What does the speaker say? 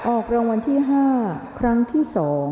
ออกรางวัลที่๕ครั้งที่๒